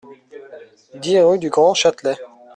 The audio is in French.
dix rue du Grand Châtelet